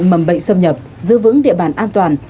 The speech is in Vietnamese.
giữ vững địa bàn an toàn giữ vững địa bàn an toàn